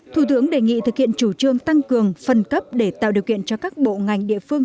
thủ tướng đề nghị thực hiện chủ trương tăng cường phân cấp để tạo điều kiện cho các bộ ngành địa phương